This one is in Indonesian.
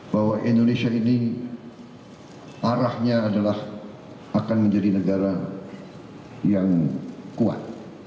bahwa indonesia ini arahnya adalah akan menjadi negara yang kuat